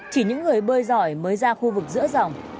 chỉ những người bơi giỏi mới ra khu vực giữa dòng